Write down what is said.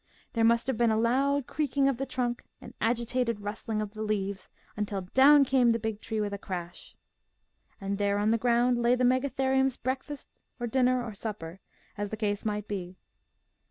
There must have been a loud creaking of the trunk, an agitated rustling of the leaves, until down came the big tree with a crash. And there on the ground lay the Megatherium's break fast, or dinner, or supper, as the case might be.